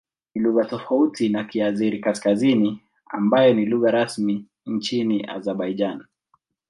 Ni lugha tofauti na Kiazeri-Kaskazini ambayo ni lugha rasmi nchini Azerbaijan.